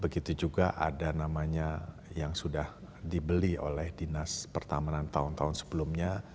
begitu juga ada namanya yang sudah dibeli oleh dinas pertamanan tahun tahun sebelumnya